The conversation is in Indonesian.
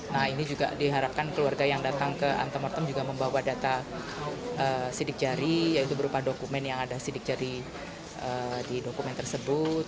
nah ini juga diharapkan keluarga yang datang ke antemortem juga membawa data sidik jari yaitu berupa dokumen yang ada sidik jari di dokumen tersebut